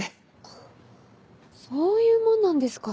あっそういうもんなんですか。